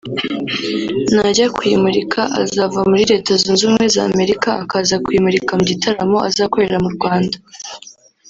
najya kuyimurika azava muri Leta Zunze Ubumwe za Amerika akaza kuyimurika mu gitaramo azakorera mu Rwanda